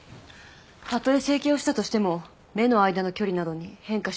たとえ整形をしたとしても目の間の距離などに変化しない特徴がある。